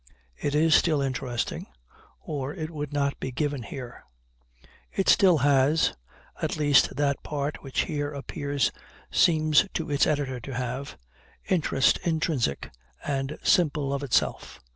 It is still interesting, or it would not be given here. It still has at least that part which here appears seems to its editor to have interest intrinsic and "simple of itself."